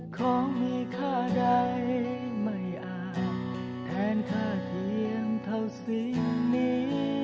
ของมีค่าใดไม่อาบแทนค่าเพียงเท่าสิ่งนี้